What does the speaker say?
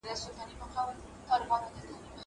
زه اوږده وخت نان خورم.